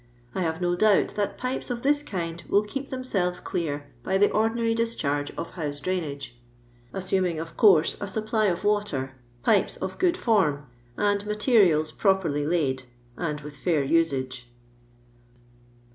I have no doubt that pipes of this kind will keep themselves c\tu by the ordinary discharge of house drainacf : assuming, of course, a supply of water, pipes ot good form, and materials properly laid, and r.it fair usage."